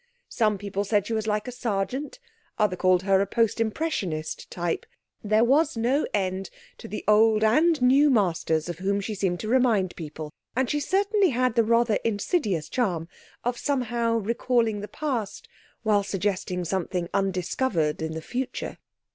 Some people said she was like a Sargent, others called her a post impressionist type; there was no end to the old and new masters of whom she seemed to remind people; and she certainly had the rather insidious charm of somehow recalling the past while suggesting something undiscovered in the future.